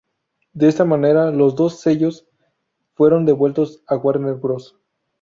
De esta manera los dos sellos fueron devueltos a Warner Bros.